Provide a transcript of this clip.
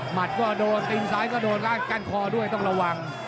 ก็โดนตีนซ้ายก็โดนกั้นคอด้วยต้องระวัง